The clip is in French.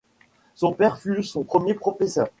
Son père fut son premier professeur.